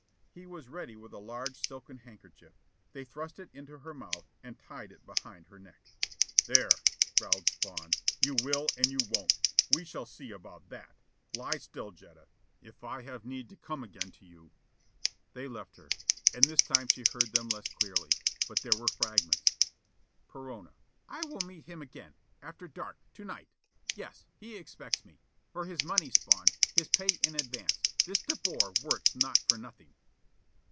He was ready with a large silken handkerchief. They thrust it into her mouth and tied it behind her neck. "There," growled Spawn. "You will and you won't: we shall see about that. Lie still, Jetta. If I have need to come again to you " They left her. And this time she heard them less clearly. But there were fragments: Perona: "I will meet him again. After dark, to night. Yes, he expects me. For his money, Spawn, his pay in advance. This De Boer works not for nothing."